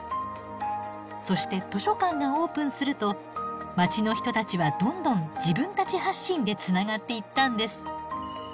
そして図書館がオープンすると街の人たちはどんどん自分たち発信でつながっていったんです。